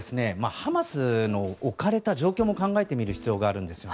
ハマスの置かれた状況も考えてみる必要があるんですよ。